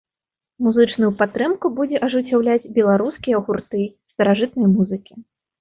Музычную падтрымку будзе ажыццяўляць беларускія гурты старажытнай музыкі.